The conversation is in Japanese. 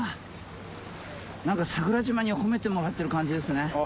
何か桜島に褒めてもらってる感じですね。